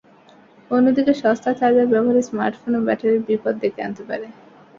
অন্যদিকে সস্তা চার্জার ব্যবহারে স্মার্টফোন ও ব্যাটারির বিপদ ডেকে আনতে পারে।